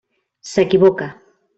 S'equivoca.